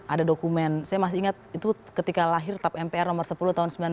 ada dokumen saya masih ingat itu ketika lahir tap mpr nomor sepuluh tahun seribu sembilan ratus sembilan puluh